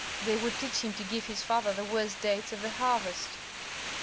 They would teach him to give his father the worst dates of the harvest."